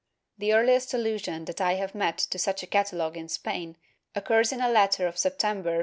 The earhest allusion that I have met to such a catalogue in Spain occurs in a letter of September, * MSS.